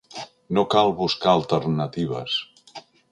No cal buscar alternatives.